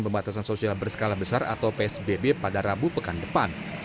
pembatasan sosial berskala besar atau psbb pada rabu pekan depan